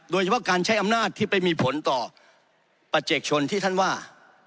โดยเฉพาะการใช้อำนาจที่ไปมีผลต่อประชาชนที่ท่านว่า